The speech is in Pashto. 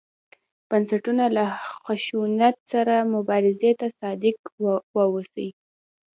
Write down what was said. بنسټونه له خشونت سره مبارزې ته صادق واوسي.